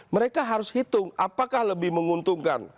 mereka harus hitung apakah lebih menguntungkan